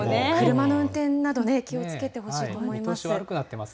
車の運転などね、気をつけてほしいと思います。